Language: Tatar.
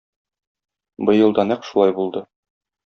Быел да нәкъ шулай булды.